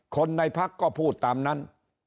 คนในพักก็พูดตามนั้น